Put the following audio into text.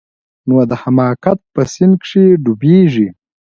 نو د حماقت په سيند کښې ډوبېږي.